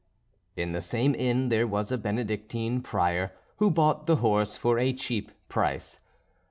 In the same inn there was a Benedictine prior who bought the horse for a cheap price.